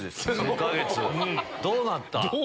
どうなった？